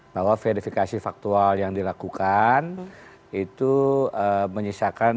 bahwa verifikasi faktual yang dilakukan itu menyisakan